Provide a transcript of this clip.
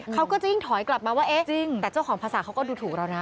เขาก็จะยิ่งถอยกลับมาว่าเอ๊ะจริงแต่เจ้าของภาษาเขาก็ดูถูกเรานะ